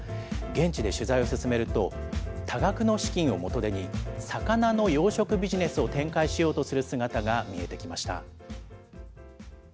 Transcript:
現地で取材を進めると、多額の資金を元手に、魚の養殖ビジネスを展開しようとする姿が見えてきました。